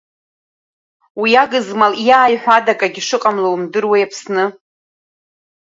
Уи агызмал иааиҳәо ада акгьы шыҟамло умдыруеи Аԥсны?